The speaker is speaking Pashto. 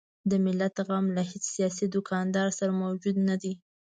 د ملت غم له هیڅ سیاسي دوکاندار سره موجود نه دی.